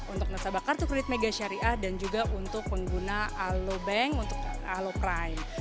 untuk nasabah kartu kredit mega syariah dan juga untuk pengguna alo bank untuk alo prime